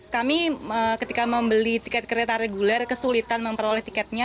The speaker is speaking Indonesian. kami ketika membeli tiket kereta reguler kesulitan memperoleh tiketnya